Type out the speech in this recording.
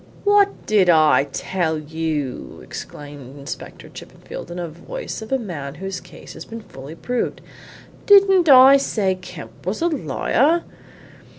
"What did I tell you?" exclaimed Inspector Chippenfield in the voice of a man whose case had been fully proved. "Didn't I say Kemp was a liar?